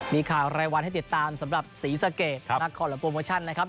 มีข่าวรายวันให้ติดตามสำหรับศรีสะเกดนักคอนและโปรโมชั่นนะครับ